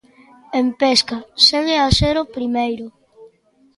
En pesca, segue a ser o primeiro.